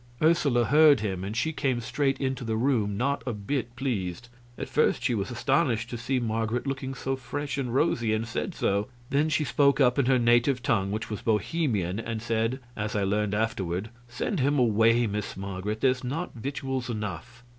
Ursula heard him, and she came straight into the room, not a bit pleased. At first she was astonished to see Marget looking so fresh and rosy, and said so; then she spoke up in her native tongue, which was Bohemian, and said as I learned afterward "Send him away, Miss Marget; there's not victuals enough."